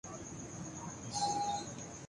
Corruption کا تعلق جمہوریت سے نہیں، سماجی رویے سے ہے۔